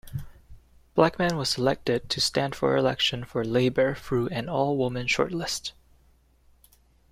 Blackman was selected to stand for election for Labour through an all-women shortlist.